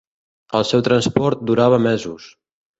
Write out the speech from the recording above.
El seu transport durava mesos.